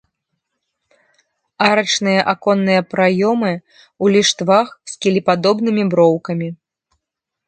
Арачныя аконныя праёмы ў ліштвах з кілепадобнымі броўкамі.